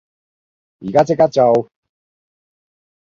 依家即刻做